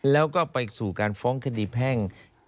แล้วก็ไปสู่การฟ้องคดีแพ่ง